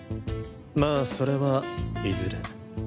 まあそれはいずれ。